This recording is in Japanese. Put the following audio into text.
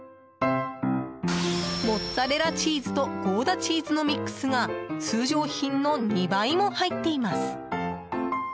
モッツァレラチーズとゴーダチーズのミックスが通常品の２倍も入っています。